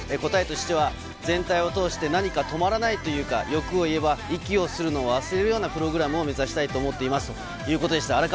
答えとしては、全体を通して何か止まらないというか欲を言えば、息をするのを忘れるようなプログラムを目指したいと思っていますということでした。